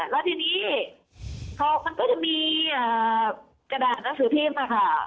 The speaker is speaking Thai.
แล้วทีนี้พอมันก็จะมีกระดาษหนังสือพิมพ์ค่ะ